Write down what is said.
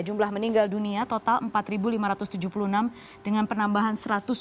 jumlah meninggal dunia total empat lima ratus tujuh puluh enam dengan penambahan satu ratus tujuh puluh